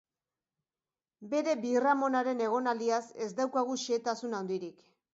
Bere birramonaren egonaldiaz ez daukagu xehetasun handirik.